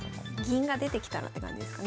銀が出てきたらって感じですかね。